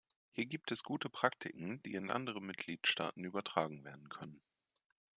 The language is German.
Hier gibt es gute Praktiken, die in andere Mitgliedstaaten übertragen werden können.